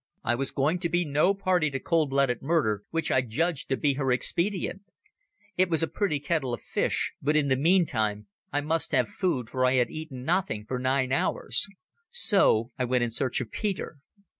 I was going to be no party to cold blooded murder, which I judged to be her expedient. It was a pretty kettle of fish, but in the meantime I must have food, for I had eaten nothing for nine hours. So I went in search of Peter.